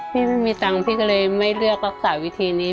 ไม่มีตังค์พี่ก็เลยไม่เลือกรักษาวิธีนี้